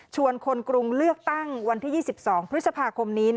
คนกรุงเลือกตั้งวันที่๒๒พฤษภาคมนี้